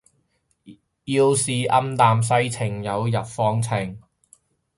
要是暗淡世情有日放晴